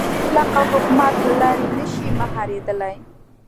مطلقه حکومت له لارې نه شي مهارېدلی.